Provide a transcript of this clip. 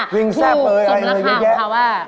คุ้มราคาของเขาว่า